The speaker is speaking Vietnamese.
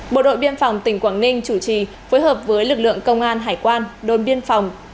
bộ đội biên phòng tỉnh quảng ninh chủ trì phối hợp với lực lượng công an hải quan đôn biên phòng